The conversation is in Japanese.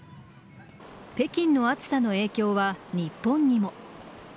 北京の暑さの影響は、日本にも。